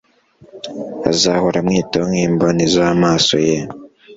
azahora amwitaho nk'imboni z'amaso ye